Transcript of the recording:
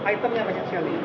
itemnya banyak sekali